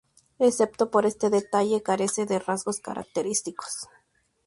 Excepto por este detalle, carece de rasgos característicos.